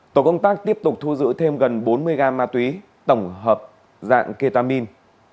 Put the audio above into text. tổ công tác tiếp tục thu giữ thêm gần bốn mươi gram ma túy tổng hợp dạng ketamine